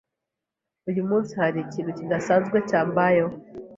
Uyu munsi, hari ikintu kidasanzwe cyambayeho.